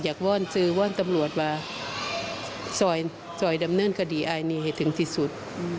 อันนี้ให้ถึงที่สุด